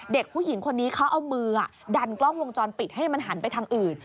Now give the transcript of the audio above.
เด็กผู้หญิงคนนี้เขาเอามือดันกล้องวงจรปิดให้มันหันไปทางอื่น